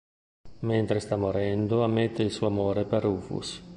Mentre sta morendo, ammette il suo amore per Rufus.